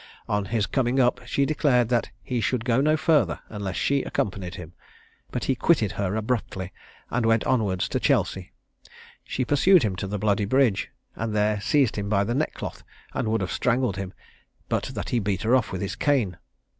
On his coming up, she declared that he should go no further, unless she accompanied him; but he quitted her abruptly, and went onwards to Chelsea. She pursued him to the Bloody Bridge, and there seized him by the neckcloth, and would have strangled him, but that he beat her off with his cane.